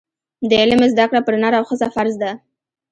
د علم زده کړه پر نر او ښځه فرض ده.